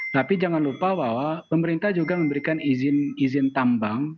tapi jangan lupa bahwa pemerintah juga memberikan izin izin tambang